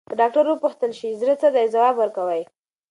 که ډاکټر وپوښتل شي، زړه څه دی، ځواب ورکوي.